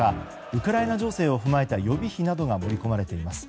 ウクライナ情勢を踏まえた予備費などが盛り込まれています。